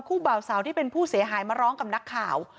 บ่าวสาวที่เป็นผู้เสียหายมาร้องกับนักข่าว